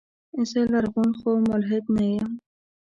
زه لرغون خو ملحد نه يم.